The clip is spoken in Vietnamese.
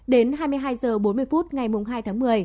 đến hai mươi hai h bốn mươi phút ngày mùng hai